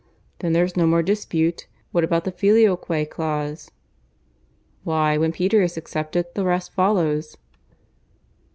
"Then there's no more dispute? What about the Filioque clause?" "Why, when Peter is accepted, the rest follows."